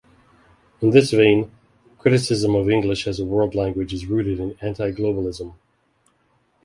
In this vein, criticism of English as a world language is rooted in anti-globalism.